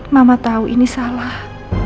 mama tahu ini salah